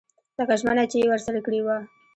لکه ژمنه چې یې ورسره کړې وه.